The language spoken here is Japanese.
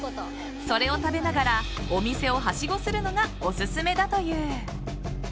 それを食べながらお店をはしごするのがオススメだという。